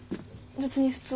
別に普通。